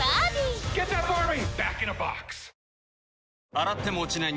洗っても落ちない